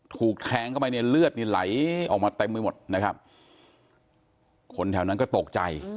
ถูกแทงเข้าไปเนี่ยเลือดนี่ไหลออกมาเต็มไปหมดนะครับคนแถวนั้นก็ตกใจ